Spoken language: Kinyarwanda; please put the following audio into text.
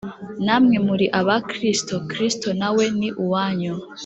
na mwe muri aba kristo, kristo na we ni uwanyu